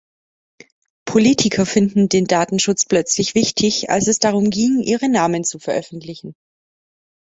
Politiker finden den Datenschutz plötzlich wichtig, als es darum ging, ihre Namen zu veröffentlichen.